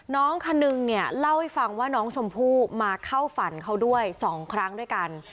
น้องคนนึงเนี่ยเล่าให้ฟังว่าน้องชมพู่มาเข้าฝันเขาด้วย๒ครั้งด้วยกัน